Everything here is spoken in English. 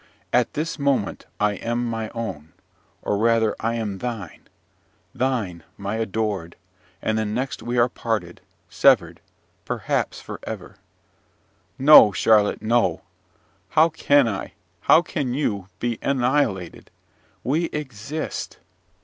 At this moment I am my own or rather I am thine, thine, my adored! and the next we are parted, severed perhaps for ever! No, Charlotte, no! How can I, how can you, be annihilated? We exist.